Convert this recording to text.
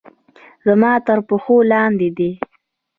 زما تر پښو لاندې دي